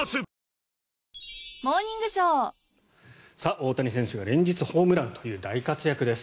大谷選手が連日、ホームランという大活躍です。